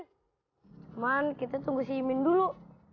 cuman kita tunggu si imin dulu